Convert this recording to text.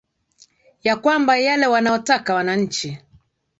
ya kwamba yale wanaotaka wananchi